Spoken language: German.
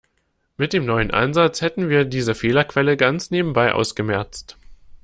Mit dem neuen Ansatz hätten wir diese Fehlerquelle ganz nebenbei ausgemerzt.